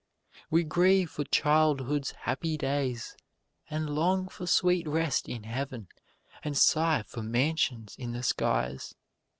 We grieve for childhood's happy days, and long for sweet rest in Heaven and sigh for mansions in the skies.